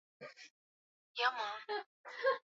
Alianza kusema kuwa tumbo ina shida kila usiku.